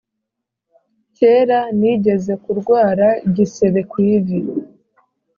Kera nigeze kurwara igisebe kwivi